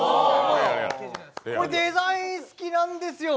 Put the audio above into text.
これデザイン好きなんですよ。